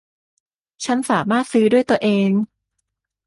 ฉันสามารถซื้อด้วยตัวเอง